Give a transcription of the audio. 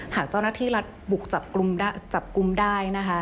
หากเจ้าหน้าที่รัฐบุกจับกุมได้